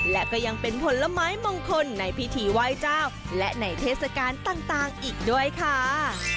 และก็ยังเป็นผลไม้มงคลในพิธีไหว้เจ้าและในเทศกาลต่างอีกด้วยค่ะ